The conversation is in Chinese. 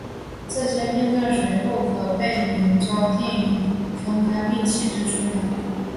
这些片断随后可被凝胶电泳分开并显示出来。